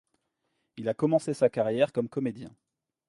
Il a commencé sa carrière comme comédien.